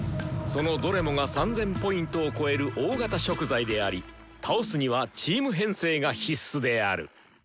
そのどれもが３０００Ｐを超える大型食材であり倒すにはチーム編成が必須である！